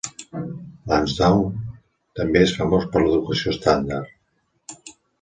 Lansdowne també és famós per l'educació estàndard.